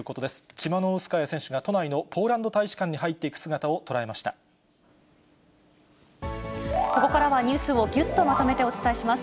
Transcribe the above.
チマノウスカヤ選手が都内のポーランド大使館に入っていく姿を捉ここからはニュースをぎゅっとまとめてお伝えします。